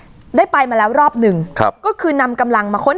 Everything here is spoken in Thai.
สลับผัดเปลี่ยนกันงมค้นหาต่อเนื่อง๑๐ชั่วโมงด้วยกัน